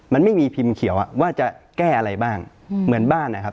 มันไม่มีพิมพ์เขียวอ่ะว่าจะแก้อะไรบ้างเหมือนบ้านนะครับ